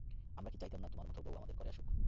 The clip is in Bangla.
আমরা কি চাইতাম না তোমার মতো বৌ আমাদের ঘরে আসুক!